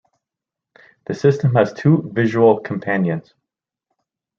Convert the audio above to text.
The system has two visual companions.